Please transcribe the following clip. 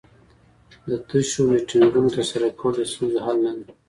د تشو میټینګونو ترسره کول د ستونزو حل نه دی.